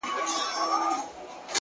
د ميني داغ ونه رسېدی،